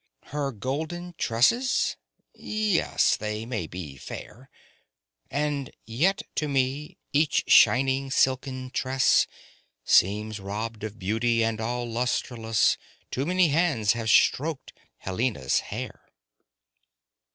"Her golden tresses?" yes, they may be fair, And yet to me each shining silken tress Seems robbed of beauty and all lustreless— Too many hands have stroked Helena's hair.